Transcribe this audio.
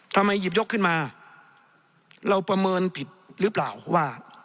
ทำไมหยิบยกขึ้นมาเราประเมินผิดหรือเปล่าว่า